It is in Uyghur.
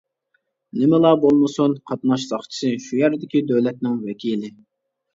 نېمىلا بولمىسۇن، قاتناش ساقچىسى شۇ يەردىكى دۆلەتنىڭ ۋەكىلى.